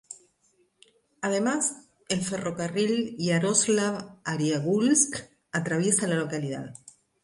Además, el ferrocarril Yaroslavl-Arjánguelsk atraviesa la localidad.